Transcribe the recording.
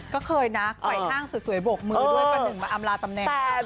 ก็เคยนะไหว่ท่างสวยบกมือด้วยมาอำลาตำแหน่ง